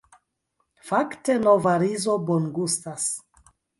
Fakte nova rizo bongustas.